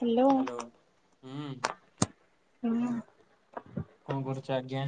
Hello. Hello ହୁଁ। ହୁଁ। ଆଛା ଆଜ୍ଞା।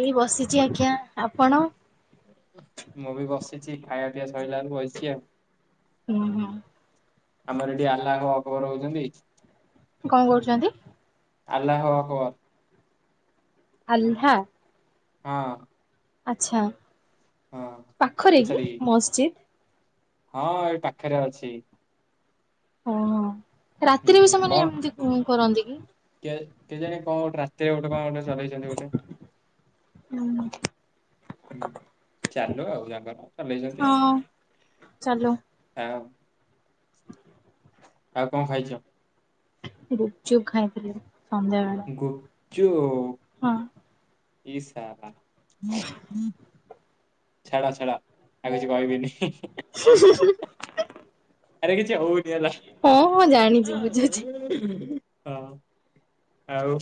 ଏଇ ବସିଛି, ଆଜ୍ଞା ଆପଣ? ମୁଁ ବି ବସିଛି ଖାଇଆ ପିଇଆ ସଇଲାରୁ ବଇଛି ଆଉ। ହୁଁ - ହୁଁ। ଆମର ଏଠି ଆଲ୍ଲା ହୋ ଆକବର ହଉଛନ୍ତି। କଣ କରୁଛନ୍ତି? ଆଲ୍ଲା ହୋ ଆକବର। ଆଲ୍ଲହା। ହଁ। ଆଛା ହଁ। ପାଖରେ କି ପଚାରିକି ମସଜିଦ୍? ହଁ ଏ ପାଖରେ ଅଛି। ଓହୋ ହୁଁ ରାତିରେ ବି ସେମାନେ ବନ୍ଦ ଏମିତି କରନ୍ତି କି? କେ- କେ ଜାଣି କଣ ଗୋଟେ ରାତିରେ ଗୋଟେ କଣ ଗୋଟେ ଚଲେଇଛନ୍ତି ଗୋଟେ। ହୁଁ ହୁଁ ଚାଲୁ ଆଉ [unintelligible] ଆଉ। ଚାଲ। ଆଉ ଆଉ କଣ ଖାଇଛ? ଗୁପଚୁପ ଖାଇଥିଲି ସନ୍ଧ୍ୟାବେଳେ। ଚୁ [unintelligible] ହଁ ଇ ସାରା ଛାଡ଼ ଛାଡ଼ ଆଉ କିଛି କହିବିନି। ଆରେ କିିଛି ହଁ ହଁ ଜାଣିଛି ବୁଝୁଛି। ହଁ ଆଉ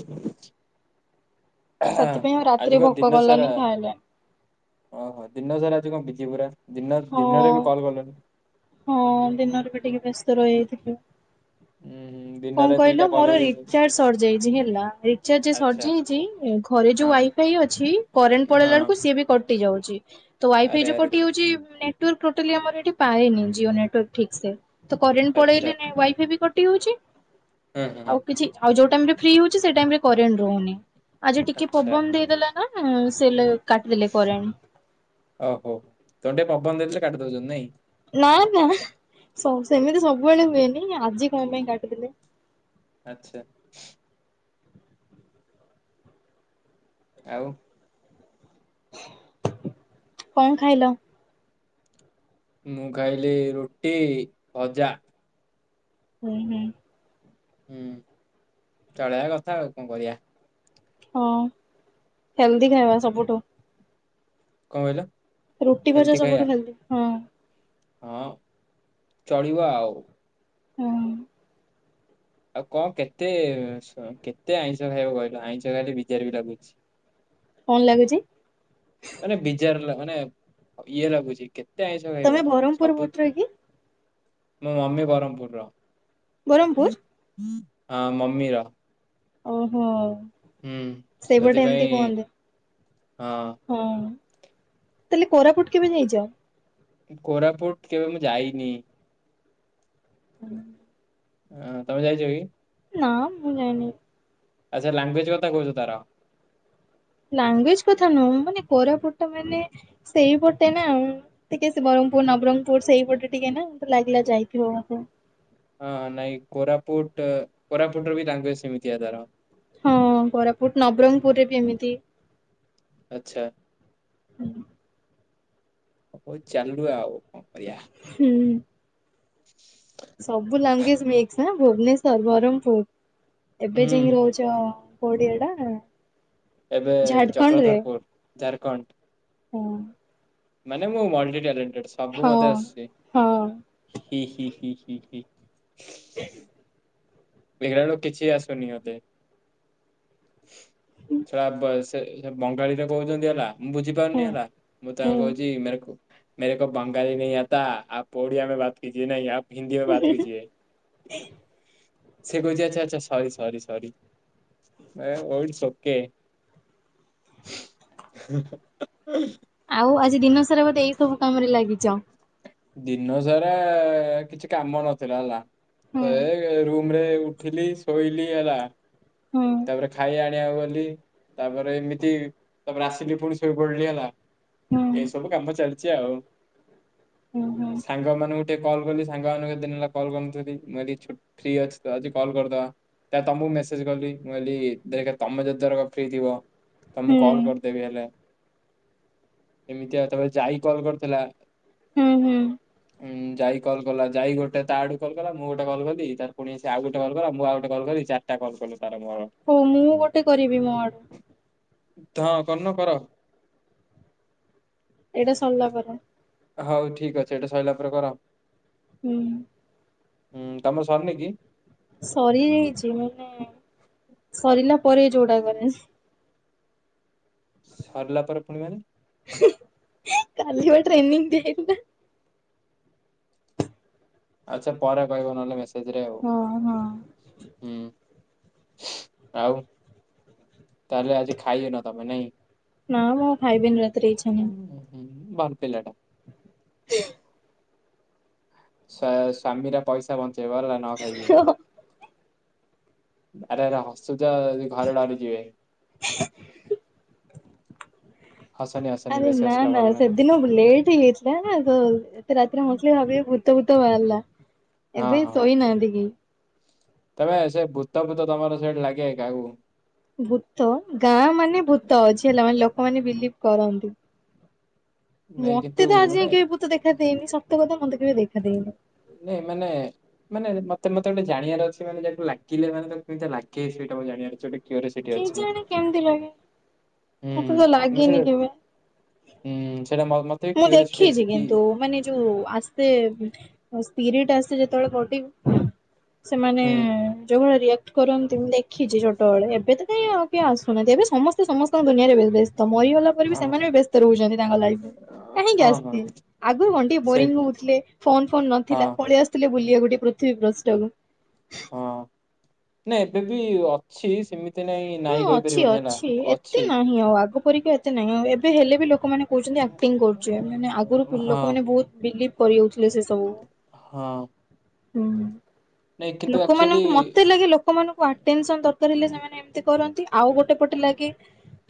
ହଁ ସେଥିପାଇଁ ଆଉ ରାତିରେ ଆଜିିକ ଭୋକ ଦିନ ସାରା କଲାନି ଖାଇଲାନି ଓ ହୋ ଦିନ ସାରା କଣ ବିଜି ପୁରା। ଦିନ ହଁ ଦିନରେ ବି କଲ୍ କଲନି। ହଁ ଦିନରେ ବି ଟିକେ ବ୍ୟସ୍ତ ରହିଯାଇଥିଲି। ଉୁଁ ହୁଁ କଣ ଦିନରେ ଦିଟା କହିଲ କଲ୍ ମୋର ହେଇଯାଉଛନ୍ତି ରିଚାର୍ଜ ସରିଯାଇଛି ହେଲା ରିଚାର୍ଜ ଆଚ୍ଛା ସରିଯାଇଛି ଘରେ ଯୋଉ ହଁ ୱାଇଫାଇ ଅଛି, କରେଣ୍ଟ ପଳେଇଲା ହଁ ବେଳକୁ ସିଏ ବି କଟି ଯାଉଛି ତ ୱାଇଫାଇ ଆରେ ଯୋଉ ଆରେ କଟିଯାଉଛି ନେଟୱର୍କ ଟୋଟାଲି ଆମର ଏଠି ପାଏନି ଜିଓ ନେଟୱର୍କ ଠିକ ସେ ତ କରେଣ୍ଟ ପଳେଇଲେ ଆଚ୍ଛା ନା ୱାଇଫାଇ ବି କଟି ଯାଉଛି, ହଁ ହଁ ହଁ ଆଉ କିଛି ଆଉ ଯୋଉ ଫ୍ରି ହଉଛି ସେ ଟାଇମରେ କରେଣ୍ଟ ରହୁନି ଆଜି ଟିକେ ପବନ ହେଇଦେଲା ନା କାଟିଦେଲେ କରେଣ୍ଟ ଓ ହୋ, ତମର ଟିକେ ପବନ ଦେଇଦେଲେ କାଟି ଦଉଛନ୍ତି ନାଇଁ। ନା ନା ସେମିତି ସବୁବେଳେ ହୁଏନି ଆଜି କଣ ପାଇଁ କାଟୁଥିଲେ। ଆଚ୍ଛା । ଆଉ କଣ ଖାଇଲ? ମୁଁ ଖାଇଲି ରୁଟି ଭଜା। ହୁଁ ହୁଁ। ହୁଁ, ଚଳେଇବା କଥା ଆଉ କଣ କରିବା। ହଁ ହେଲ୍ଦି ଖାଇବା ସବୁଠୁ। କଣ କହିଲ? ରୁଟି ହେଲ୍ଦି ଭଜା ଖାଇବା ସବୁଠୁ ହେଲଦି। ହଁ, ଚଳିବ ଆଉ। ହଁ ଆଉ କଣ କେତେ, କେତେ ଆଇଁଷ ଖାଇବ କହିଲ, ଆଇଁଷ ଖାଇଲେ ବିଜାର ବି ଲାଗୁଛି। [inaudible] କଣ ଲାଗୁଛି? ମାନେ ବିଜାର ଲାଗୁଛି ମାନେ ଇଏ ଲାଗୁଛି କେତ ତମେ ବରହ୍ମପୁର ବଟର କି? ମୁଁ ମମି ବ୍ରହ୍ମପୁର ର ବ୍ରହ୍ମପୁର? ହଁ ମମି ର ଓ ହୋ । ସେଇପଟେ ଏମତି ସେଥିପାଇଁ କୁହନ୍ତି ହଁ। ତାହେଲେ କୋରାପୁଟ କେବେ ନେଉଛ? କୋରାପୁଟ କେବେ ମୁଁ ଯାଇନି। ହୁଁ [inaudible] ହ ତମେ ଯାଇଛ କି? ନା ମୁଁ ଯାଇନି। ଆଚ୍ଛା, ଲାଙ୍ଗୁଏଜ କଥା କହୁଛ ତାର। ଲାଙ୍ଗୁଏଜ କଥା ନୁହଁ, ମାନେ କୋରାପୁଟ ଟା ମାନେ ସେଇପଟେ ନା ଟିକେ ସେ ବ୍ରହ୍ମପୁର, ନବରଙ୍ଗପୁର ସେଇପଟେ ଟିକେ ନା ମତେ ଲାଗିଲା ଯାଇଥିବ ବୋଧେ। ହଁ ନାଇଁ କୋରାପୁଟ, କୋରାପୁଟ ର ବି ଲାଙ୍ଗୁଏଜ ସେମିତି ତାର। ହଁ, କୋରାପୁଟ ହୁଁ, ନବରଙ୍ଗପୁରରେ ବି ଏମିତି। ଆଚ୍ଛା । ହୁଁ । ହଉ ଚାଲୁ ଆଉ କଣ କରିବା। ହୁଁ [inaudible] ସବୁ ଲାଙ୍ଗୁଏଜ ମିକ୍ସ, ଭୁବନେଶ୍ଵର, ବ୍ରହ୍ମପୁର। ଏବେ ହୁଁ ଯାଇକି ରହୁଛ କଉଠି ଏଟା? ଏବେ ଝାଡ଼ଖଣ୍ଡରେ? ଚକ୍ରଧରପୁର, ଝାରଖଣ୍ଡ। ହଁ। ମାନେ, ମୁଁ ମଲଟି ଟ୍ୟାଲେଣ୍ଟେଡ ସବୁ ମତେ ଆଶୁଛି ହଁ ହି ହି ହି ହି ହି। [unintelligible] ଦେଖିଲା ବେଳକୁ କିଛି ଆସୁନି ମୋତେ, ସାବାସ୍। ସେ ବଙ୍ଗାଳୀରେ କହୁଛନ୍ତି ହେଲା, ମୁଁ ହୁଁ ବୁଝିପାରୁନି ହେଲା, ମୁଁ ତାଙ୍କ ହୁଁ। କହୁଛି ମେରେକୋ। ମେରେକୋ ବଙ୍ଗାଳୀ ନଇ ଆତା, ଆପ ଓଡ଼ିଆ ମେ ବାତ କିଯିଏ ନା ୟା ହିନ୍ଦୀ ମେ ବାତ କିଜିଏ। ସେ କହିଛି, ଆଚ୍ଛା, ଆଚ୍ଛା, sorry sorry sorry, oh it's okay. [inaudible] ଆଉ ଆଜି ଦିନ ସାରା ବୋଧେ ଏଇ ସବୁ କାମରେ ଲାଗିଚ। ଦିନ ସାରା କିଛି କାମ ନଥିଲା ହେଲା ହୁଁ ତ ଏ ରୁ ମ ରେ ଉଠିଲି ଶୋଇଲି ହେଲା ହୁଁ ତାପରେ ଖାଇବା ଆଣିବାକୁ ଗଲି ତାପରେ ଏମିତି ତାପରେ ଆସିଲି ପୁଣି ଶୋଇ ପଡିଲି ହେଲା। ହୁଁ ଏ ସବୁ କମ ଚାଲଚି ଆଉ। ହୁଁ ହୁଁ ସାଙ୍ଗ ମାନଙ୍କୁ ଟିକେ କଲ୍ କଲି ସାଙ୍ଗ ମାନଙ୍କ କେତେ ଦିନ ହେଲା କଲ କରିନଥିଲି ମୁଁ ଆଜି ଛୁଟ ଫ୍ରି ଅଛି ତ ଆଜି କଲ୍ କରିଦବା। ତା ତମକୁ ମେସେଜ କଲି ମୁଁ କହିଲି ଦେଖେ ତମେ ଯେତେଥରକ ଫ୍ରି ଥିବ ତ ହୁଁ। ମୁଁ କଲ କରିଦେବି ହେଲେ। ଏମିତି ଆଉ ତାପରେ ଯାଇ କଲ କରିଥିଲା। ହୁଁ ହୁଁ। ଉ ଯାଇ କଲ କଲା ଯାଇ ଗୋଟେ ତା ଆଡୁ କଲ୍ କଲା ମୁଁ ଗୋଟେ କଲ କଲି ତା ପୁଣି ସେ ଆଉ ଗୋଟେ କଲ କଲା ମୁଁ ଆଉ ଗୋଟେ କଲ କଲି। ରି ଚାରିଟା କଲ କଲୁ। ତାର ମୋର। ହଉ ମୁଁ ଗୋଟେ କରିବି ମୋ ଆଡୁ। ହଁ କରୁନ କର। ଏଟା ସରଲା ପରେ। ହଉ ଠିକ ଅଛି ଏଇଟା ସରିଲା ପରେ କର। ହୁଁ। ହୁଁ ତମର ସରନି କି? ସରିଯାଇଚି ମାନେ ସରିଲା ପରେ ଯୋଉଟା କରେ। ସରିଲା ପରେ ପୁଣି ମାନେ କାଲି ବା ଟ୍ରେନିଂ ଦିଆ ହେଇଥିଲା। ଆଚ୍ଛା ପରେ କହିବ ନହେଲେ ମେସେଜ ରେ ଆଉ ହଁ ହଁ। ହୁଁ। ଆଉ ତାହେଲେ ଆଜି ଖାଇନ ତମେ ନାଇଁ। ନା ମୁଁ ଖାଇବିନି ରାତିରେ ଇଚ୍ଛା ନାହିଁ। ମୁଁ ଭଲ ପିଲାଟା। [inaudible] ସା ସ୍ଵାମୀର ପଇସା ବଞ୍ଚେଇବ ହେଲା ନ ଖାଇକି। ଆରେ ଆରେ ହସୁଚ ଘରେ ଡରି ଯିବେ। [inaudible] ଆରେ ନା ନା ସେଦିନ ଲେଟ୍ ହେଇଯାଇଥିଲା ନା ତ ଏତେ ରାତିରେ ନାହିଁ। ହସିଲେ ଭାବିବେ ଭୂ ଭୁତ ଫୁତ ବାହାରିଲା ହଁ ଏବେ ହଁ ଶୋଇନାହାନ୍ତି କି। ତମେ ସେ ଭୂତ ଫୂତ ତମର ସିଆଡ଼େ ଲାଗେ କାହାକୁ। ଭୂତ ଗାଁ ମାନେ ଭୂତ ଅଛି ହେଲା ମାନେ ଲୋକମାନେ ବିଲିଭ କରନ୍ ତି, ନାଇଁ କିନ୍ତୁ ମତେ ତ ଆଜି ମାନେ ଯାଏଁ କେବେ ଭୂତ୍ ଦେଖାଦେଇନି ସତ କଥା ମତେ କେବେ ଦେଖା ଦେଇନି। ନାଇ ମାନେ ମାନେ ମ ମ ମତେ ଗୋଟେ ଜାଣିବାର ଅଛି ମାନେ ଯଦି ଲାଗିଲେ ମାନେ ତାକୁ କେମିତି ଲାଗେ ସେଇଟା ମତେ ଜାଣିବାର ଅଛି ଗୋଟେ। କ୍ୟୁରିସିଟି ଅଛି। କେଜାଣି କେମିତି ଲାଗେ? ହୁଁ ମୋତେ ତ ମୁଁ ଲାଗିନି ସେଇଟା କେବେ। ହୁଁ ସେଇଟା ମ- ମତେ ବି ମୁଁ କ୍ୟୁରିସିଟି ଦେଖିଚି ଅଛି କି କିନ୍ତୁ ମାନେ ଯୋଉ ଆସବେ ସ୍ପିରିଟ ଆସେ ଯେତେବେଳେ ବଡି କୁ ସେମାନେ ହୁଁ। ଯୋଉ ଭଳିଆ ରିଆକ୍ କରନ୍ତି ମୁଁ ଦେଖିଚି ଛୋଟବେଳେ ଏବେ ତ କାଇଁ ଆଉ କିଏ ଆସୁନାହାନ୍ତି ଏବେ ସମସ୍ତେ ସମସ୍ତଙ୍କ ଦୁନିଆରେ ବେ ବ୍ୟ ତ ମରିଗଲା ପରେ ବି ଅଁ, ସେମାନେ ବି ବ୍ୟସ୍ତ ରହୁଚନ୍ତି ତାଙ୍କ ଲାଇଫରେ। କାହିଁକି ହଁ ହଁ ଆସିଥିଲି ଆଗରୁ ଅଣ୍ଡି ସେଇ ବୋରିଙ୍ଗ ହଉଥିଲେ ଫୋନ ଫୋନ ହଁ। ନଥିଲା ପଳେଇ ଆସୁଥିଲେ। ବୁଲିବା ଗୋଟେ ପୃଥିବୀ ପୃଷ୍ଠ କୁ। ହଁ ନା ଏବେ ବି ଅଛି ସେମିତି ନାଇଁ ହଁ ନାଇଁ ଅଛି କହିପାରିବନି ହେଲା ଅଛି ଅଛି। ଏତେ ନାହିଁ ଆଉ ଆଗ ପରିକା ଏତେ ନାହିଁ ଆଉ ଏବେ ହେଲେ ବି ଲୋକମାନେ କହୁଚନ୍ତି ଆକଟିଙ୍ଗି କରୁଚି ମାନେ ଆଗରୁ ହଁ ଲୋକମାନେେ ବହୁତ ବିଲିଭ୍ କରି ଯାଉଥିଲେ ସେ ସବୁ ହଁ ହୁଁ। ନାଇଁ କିନ୍ତୁ ଆକ୍ଚୁଆଲି ଲୋକମାନଙ୍କୁ ମତେ ଲାଗେ ଲୋକମାନଙ୍କୁ ଅଟେନ୍ଶନ ଦରକାର ହେଲେ ସେମାନେ କରନ୍ତି ଆଉ ଗୋଟେ ପଟେ ଲାଗେ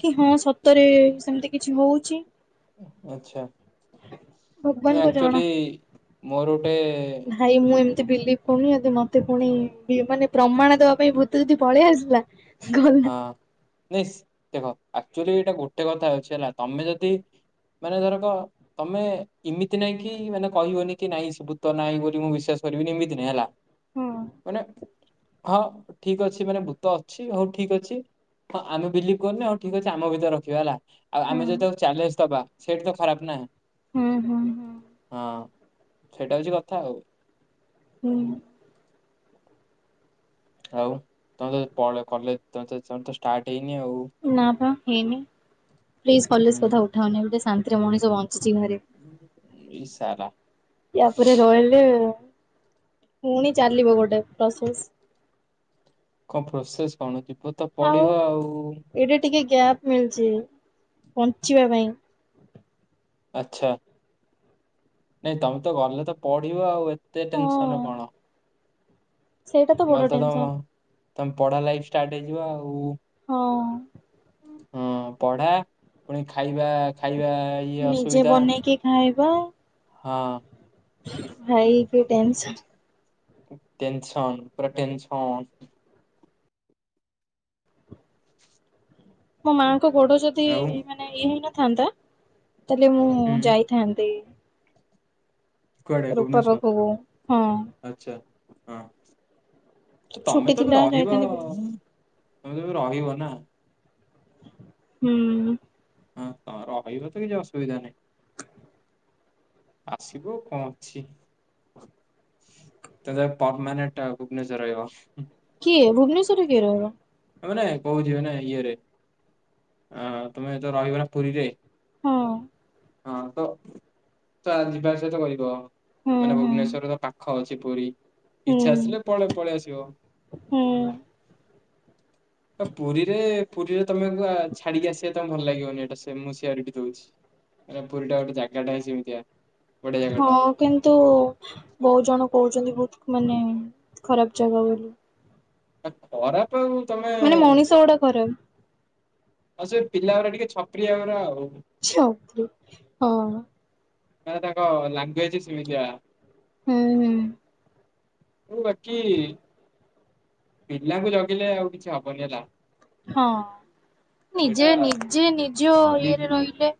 କି ହଁ ସତରେ ସେମିତି କିଛି ହୋଉଛି। ଆଚ୍ଛା। ଭଗବାନଙ୍କୁ ଜଣା। ଆକ୍ଚୁଆଲି ମୋର ଗୋଟେ ବିଲଭ କରୁନି ଯଦି ମତେ ପୁଣି ମାନେ ବି ପ୍ରମାଣ ଦବା ପାଇଁ ଭୂତ ଯଦି ପଳେଇ ଆସିଲା ଗଲା। ହଁ ନି ଦେଖ ଆକ୍ଚୁଆଲି ଏଇଟା ଗୋଟେ କଥା ଅଛି ହେଲା ତମେ ଯଦି ମାନେ ଧରକ ତମେ ଏମିତି ନାଇଁ କି ମାନେ କହିବନି କି ନାଇଁ ସେ ଭୁତ ନାଇଁ ବୋଲି ମୁଁ ବିଶ୍ୱାସ ସରିଵି ମିତି ହେଲା ହୁଁ ମାନେ ହଁ ଠିକ ଅଛି ମାନେ ଭୂତ ଅଛି ହୋଉ ଠିକ ଅଛି ହଁ ଆମେ ବିଲିଭ କରୁନୁ ଆଉ ଠିକ ଅଛି ଆମ ଭିତରେ ରଖିବା ହେଲା ଆଉ ଆମେ ଯଦି ତାକୁ ହୁଁ ଚ୍ୟାଲେଞ୍ଜ ଦବା ସେଇଠି ତ ଖରାପ ନା ହୁଁ ହୁଁ ହୁଁ। ହଁ ସେଇଟା ହୋଉଛି କଥା ଆଉ। ହୁଁ। ଆଉ ତମେ ତ ପଳ କଲେଜ ତ ଷ୍ଟାର୍ଟ ହେଇନି। ଆଉ ନା ପା ହେଇନି ପ୍ଲିଜ କଲେଜ କଥା ହୁଁ। ଉଠାଉନି ଗୋଟେ ଶାନ୍ତିରେ ମଣିଷ ବ ଚିମି ରେ ଏଇ ସାରା [inaudible] ୟାପରେ ରହିଲେ ପୁଣି ଚାଲିବ ଗୋଟେ ପ୍ରସେସ। କଣ ପ୍ରୋସେସ କଣ? ଯିବ ତ ଆଉ ପଢିବ ଏଇଟା ଟିକେ ଗ୍ୟାପ ମିଳିଛି ବଞ୍ଚିବା ପାଇଁ। ଆଚ୍ଛା। ନାଇଁ ତମେ ତ ଗଲେ ତ ପଢିବ ଆଉ ଏତେ ଟେନସନ ହଁ କଣ? ସେଇଟା ତ ବଡ ଟେନ୍ସନ୍। ତମେ ପଢା ଲାଇଫ ଷ୍ଟାର୍ଟ ହେଇଯିବ ଆଉ ହଁ। ହୁଁ ପଢା ପୁଣି ଖାଇବା ଖାଇ ନିଜେ ବନେଇକି ଖାଇବା ହଁ। ଭାଇ କି ଟନସନ୍। ଟେନସନ୍ ପୁରା ଟେନସନ୍। ମୋ ମାଙ୍କ ଗୋଡ ଯଦି ଆଉ ମାନେ ଇଏ ହେଇନଥାନ୍ତା ତାହେଲେ ମୁଁ ହୁଁ ଯାଇଥାନ୍ତି। କୁଆଡେ ରୂପା ଭୁବନେଶ୍ଵର ପାଖକୁ ହଁ [inaudible] ଆଚ୍ଛା ହଁ। ଛୁଟି ତମେ ତ ବି ଥିଲା ରହିବ, ଯାଇଥାନ୍ତି ବୁଲି ତମେ ତ ବି ରହିବ ନା। [inaudible] ହୁଁ। ହଁ ତୋମର ରହିବ ତ କିଛି ଅସୁବିଧା ନାହିଁ। [inaudible] ଆସିବୁ କଣ ଅଛି। [inaudible] ତ ତମେ ମାନେ ଟ ଭୁବେଶ୍ୱର ରେ ରହିବ। କିଏ ଭୁବନେଶ୍ୱରରେ କିଏ ରହିବ? ମାନେ କହୁଚି ମାନେ ଇଏରେ ଆ ତମେ ତ ରହିବ ନା ପୁରୀରେ। ହଁ। ହଁ ତ ତ ଯିବା ସହିତ କରିବ ହୁଁ ମାନେ ହୁଁ ଭୁବନେଶ୍ଵରର ପାଖ ଅଛି ସେପରି ହୁଁ ଇଚ୍ଛା ଆସିଲେ ପଳେ ପଳେଇ ଆସିବ। ହୁଁ ତ ପୁରୀରେ ପୁରୀରେ ତମେକା ଛାଡିକି ଆସିବା ତମେ ଭଲ ଲାଗିବନି ଏଇଟା ସେ ମୁଁ ସିଆରିଟି ଦୋଉଛି । ପୁରୀ ଟା ଗୋଟେ ଜାଗାଟା ସେମିତିଆ । ହଁ କିନ୍ତୁ ବହୁତ ଜଣ କହୁଛନ୍ତି ବହୁତ ମାନେ ଖରାପ ଜାଗା ବୋଲି ଏ ଖରାପ ଆଉ ତମେ ମାନେ ମଣିଷ ଗୋଡା ଖରାପ। ଆଉ ସେ ପିଲା ଗରା ଟିକେ ଛପରିିଆ ଗରା ଆଉ । ଛପ୍ରି ହଁ । ଏରା ତାଙ୍କ ଲାଙ୍ଗୁଏଜେ ସେମିତିଆ। ହୁଁ ହୁଁ। ମୁଁ ରକି ପିଲାଙ୍କୁ ଜଗିଲେ ଆଉ କିଛି ହବନି ହେଲା। ହଁ ସେଇଟା ନିଜେ ନିଜେ ନିଜ ନି ଇଏରେ ରହିଲେ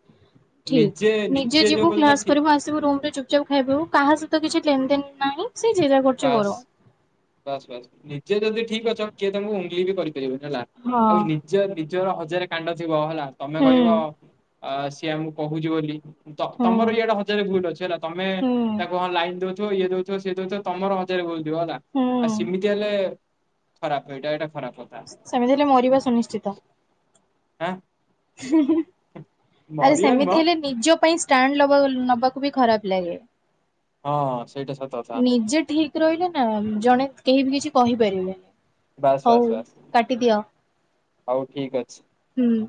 ଠିକ୍ ନିଜେ ନିଜେ ଯୋଉ ଯିବୁ ପର୍ଯ୍ୟନ୍ତ କ୍ଲାସ ଠିକ କରିବୁ ଆସିବୁ ରୁମରେ ଚୁପଚାପ୍ ଖାଇବୁ କାହା ସହିତ କିଛି ଲେନଦେନ୍ ନାହିଁ ସିଏ ଯିଏ ଯାହା କରୁଚି କରୁ। ବାସ ବାସ୍ ନିଜେ ଯଦି ଠିକଅଛ କିଏ ତମକୁ ଉଙ୍ଗଲି ବି କରିପାରିବନି ହେଲା ହଁ ଆଉ ନିଜେ ନି ଜର ହଜାରେ କାଣ୍ଡ ଥିବ ହେଲା ତମେ ହୁଁ କହିବ ଅ-ସିଏ ଆମକୁ କୋହୁଚି ବୋଲି ତ ହୁଁ ତମର ଇଆଡେ ହଜାରେ ଭୁଲ ଅଛି ହେଲା ତମେ ହୁଁ ତାକୁ ହଁ ଲାଇନ ଦୋଉ ଥୁବ ଇଏ ଦୋଉଥୁବ ସିଏ ଦୋଉଥୁବ ତମର ହଜାରେ ଭୁଲ ଥିବ ହେଲା ହୁଁ। ଆ ସେମିତି ହେଲେ ଖରାପ ଏଇଟା ଏଟା ସେମିତି ହେଲେ ମରିବ ସୁନିଶ୍ଚିତ। ଆଁ? ହୁଁ ହୁଁ ଆରେ ମରିବା ନୁହଁ ସେମିତି ହେଲେ ନିଜ ପାଇଁ ଷ୍ଟାଣ୍ଡ ଲବ-ନବା କୁ ବି ଖରାପ ଲାଗେ ହଁ ସେଇଟା ସତ କଥା ନିଜେ ଠିକ ରହିଲେ ନା ଜଣେ କେହି ବି କିଛି କହିପାରିବେନି ବାସ୍ ହୋଉ କାଟିଦିଅ। ହୋଉ ଠିକ୍ ଅଛି। ହୁଁ।